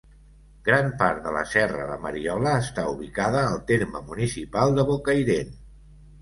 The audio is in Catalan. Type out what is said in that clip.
Gran part de la Serra de Mariola està ubicada al terme municipal de Bocairent.